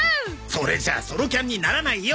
それじゃあソロキャンにならないよ！